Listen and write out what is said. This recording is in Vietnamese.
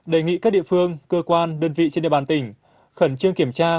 đề nghị các địa phương cơ quan đơn vị trên địa bàn tỉnh khẩn trương kiểm tra